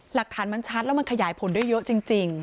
หลักฐานมันชัดแล้วมันขยายผลได้เยอะจริง